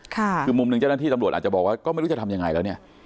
คือมุมหนึ่งเจ้าหน้าที่ตำรวจอาจจะบอกว่าก็ไม่รู้จะทำยังไงแล้วเนี่ย